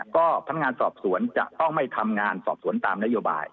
ก็พนักงานสอบสวนจะต้องไม่ทำงานสอบสวนตามนโยบาย